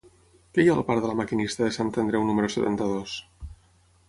Què hi ha al parc de La Maquinista de Sant Andreu número setanta-dos?